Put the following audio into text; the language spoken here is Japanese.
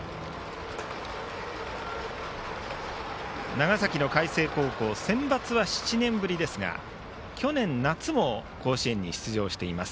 長崎の海星高校センバツは７年ぶりですが去年夏も甲子園に出場しています。